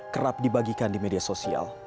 kerap dibagikan di media sosial